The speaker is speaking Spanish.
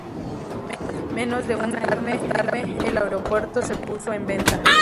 Menos de un año más tarde, el aeropuerto se puso en venta.